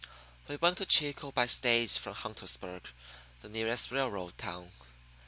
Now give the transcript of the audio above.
We went to Chico by stage from Huntersburg, the nearest railroad town.